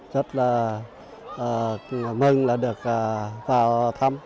rất là mừng được vào thăm